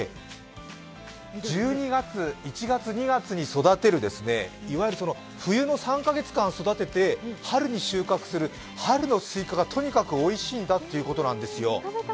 １２月、１月、２月に育てる冬の３か月に育てて春に収穫する春のすいかがとにかくおいしいんだということなんです。